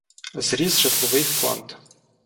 Зріс житловий фонд.